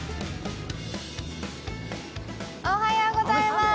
おはようございます。